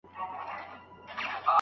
د هغه ناره به غبرگه شي له داره